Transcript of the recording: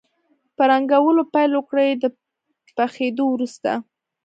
په رنګولو پیل وکړئ د پخېدو وروسته.